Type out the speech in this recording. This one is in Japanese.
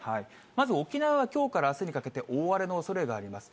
まず、沖縄はきょうからあすにかけて大荒れのおそれがあります。